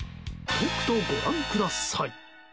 とくとご覧ください！